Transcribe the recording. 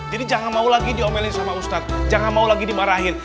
jadi jangan mau lagi diomelin sama ustadz jangan mau lagi dimarahin